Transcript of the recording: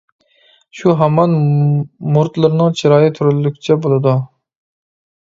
شۇ ھامان مۇرىتلىرىنىڭ چىرايى تۈرلۈكچە بولىدۇ.